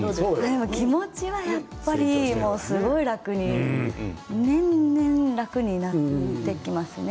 気持ちはやっぱりすごい楽に年々、楽になっていきますね。